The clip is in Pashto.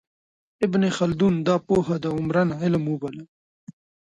ابن خلدون دا پوهه د عمران علم وباله.